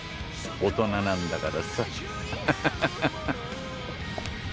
大人なんだから。